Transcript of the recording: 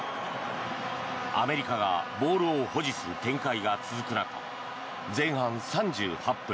アメリカがボールを保持する展開が続く中前半３８分。